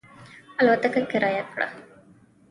الوتکه کرایه کړه.